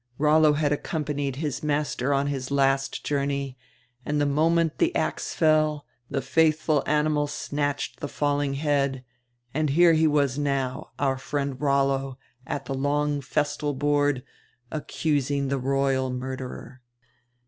Rollo had accompanied his master on his last journey, and die moment die ax fell die faidiful animal snatched die falling head, and here he was now, our friend Rollo, at die long festal board, accusing die royal murderer."